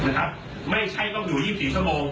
ไม่ใช่ต้องอยู่๒๔ชั่วโมง